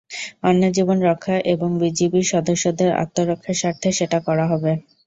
অন্যের জীবন রক্ষা এবং বিজিবির সদস্যদের আত্মরক্ষার স্বার্থে সেটা করা হবে।